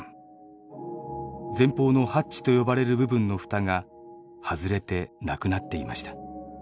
前方のハッチと呼ばれる部分のふたが外れてなくなっていました。